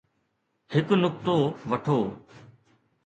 هڪ نقطو وٺو.